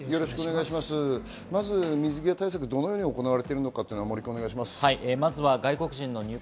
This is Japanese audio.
水際対策、どのように行われているのか、お願いします。